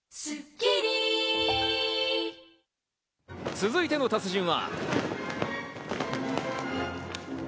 続いての達人は。